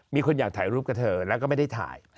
มีคนอยากถ่ายรูปกับเธอแล้วก็ไม่ได้ถ่าย